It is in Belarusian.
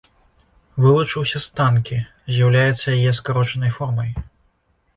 Вылучыўся з танкі, з'яўляецца яе скарочанай формай.